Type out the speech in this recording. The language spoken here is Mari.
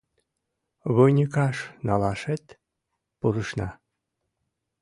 Выньыкаш налашет пурышна.